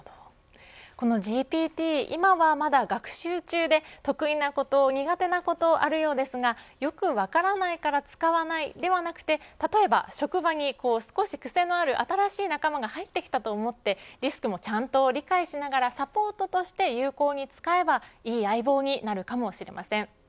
このＧＰＴ、今はまだ学習中で得意なこと、苦手なことあるようですがよく分からないから使わないではなくて例えば職場に少しくせのある新しい仲間が入ってきたと思ってリスクもちゃんと理解しながらサポートとして有効に使えばいい相棒になるかもしれません。